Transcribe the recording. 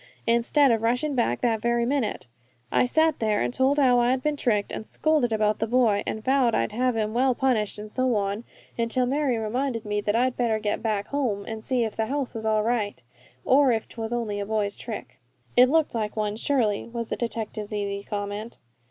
Instead of rushin' back that very minute, I sat there and told how I had been tricked, and scolded about that boy, an' vowed I'd have him well punished, and so on, until Mary reminded me that I'd better get back home and see if the house was all right, or if 'twas only a boy's trick." "It looked like one, surely," was the detective's easy comment.